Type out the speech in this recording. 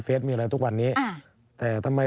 มีอะไรทุกวันนี้แต่ทำไม